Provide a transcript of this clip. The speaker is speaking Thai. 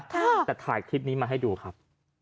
แต่ถ่ายคลิปนี้มาให้ดูครับ